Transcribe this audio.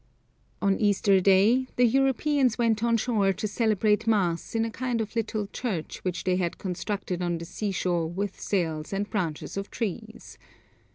On Easter Day, the Europeans went on shore to celebrate mass in a kind of little church which they had constructed on the sea shore with sails and branches of trees.